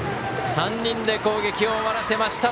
３人で攻撃を終わらせました。